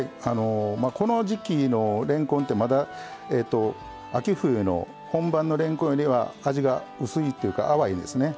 まあこの時季のれんこんってまだ秋冬の本番のれんこんよりは味が薄いというか淡いですね。